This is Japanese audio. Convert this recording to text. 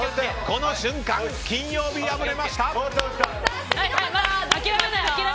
この瞬間、金曜日敗れました！